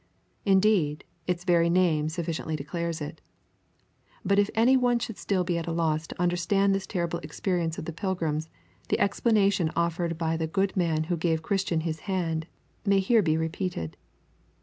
Indeed, its very name sufficiently declares it. But if any one should still be at a loss to understand this terrible experience of all the pilgrims, the explanation offered by the good man who gave Christian his hand may here be repeated.